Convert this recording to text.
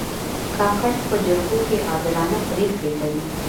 کاکړ په جرګو کې عادلانه پرېکړې کوي.